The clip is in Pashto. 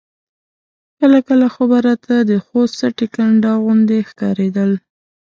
کله کله خو به راته د خوست سټې کنډاو غوندې ښکارېدل.